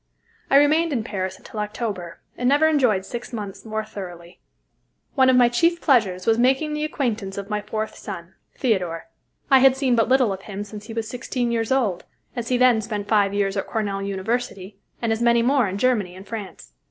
I remained in Paris until October, and never enjoyed six months more thoroughly. One of my chief pleasures was making the acquaintance of my fourth son, Theodore. I had seen but little of him since he was sixteen years old, as he then spent five years at Cornell University, and as many more in Germany and France.